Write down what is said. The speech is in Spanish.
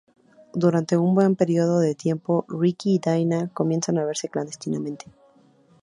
Durante un buen periodo de tiempo, Rickie y Dinah comienzan a verse clandestinamente.